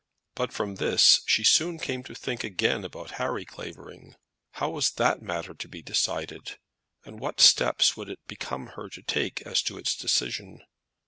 But from this she soon came to think again about Harry Clavering. How was that matter to be decided, and what steps would it become her to take as to its decision?